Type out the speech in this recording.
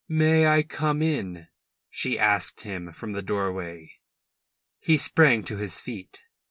"May I come in?" she asked him from the doorway. He sprang to his feet.